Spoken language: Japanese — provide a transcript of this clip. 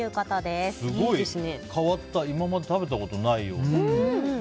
すごい変わった今まで食べたことないような。